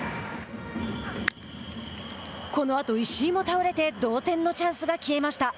このあと石井も倒れて同点のチャンスが消えました。